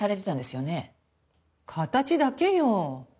形だけよ。